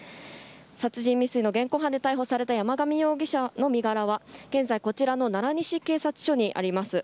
殺人未遂の現行犯で逮捕された山上容疑者の身柄は現在こちらの奈良西警察署にあります。